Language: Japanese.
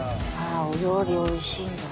ああお料理おいしいんだ。